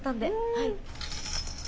はい。